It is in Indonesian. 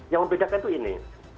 yang membedakan itu ini